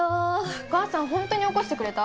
お母さんホントに起こしてくれた？